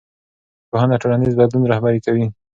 پوهنه ټولنیز بدلون رهبري کوي